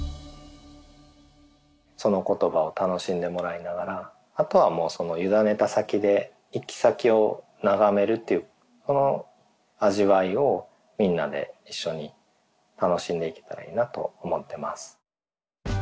その言葉を楽しんでもらいながらあとはもうゆだねた先で行き先を眺めるっていうこの味わいをみんなで一緒に楽しんでいけたらいいなと思ってます。